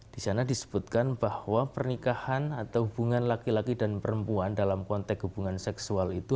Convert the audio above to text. di sana disebutkan bahwa pernikahan atau hubungan laki laki dan perempuan dalam konteks hubungan seksual itu